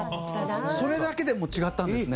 それだけでも違ったんですね。